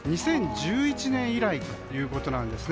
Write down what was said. ２０１１年以来ということです。